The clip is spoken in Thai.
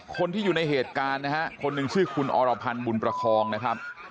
คนที่อยู่ในเหตุการณ์นะฮะคนหนึ่งชื่อคุณอรพันธ์บุญประคองนะครับ